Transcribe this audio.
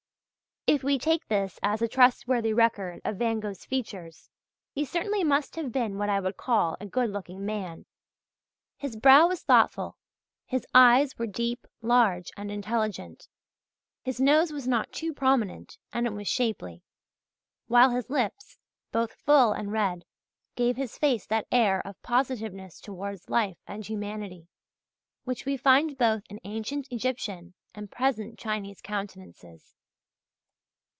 If we take this as a trustworthy record of Van Gogh's features, he certainly must have been what I would call a good looking man. His brow was thoughtful, his eyes were deep, large, and intelligent, his nose was not too prominent and it was shapely, while his lips, both full and red, gave his face that air of positiveness towards life and humanity, which we find both in ancient Egyptian and present Chinese countenances.